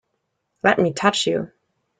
Let me touch you!